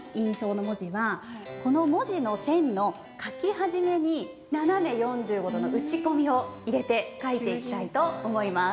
この文字の線の書き始めに斜め４５度の打ち込みを入れて書いていきたいと思います